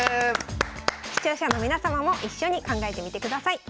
視聴者の皆様も一緒に考えてみてください。